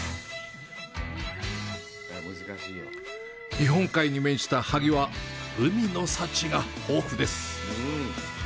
日本海に面した萩は、海の幸が豊富です。